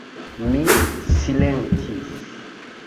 Mi silentis.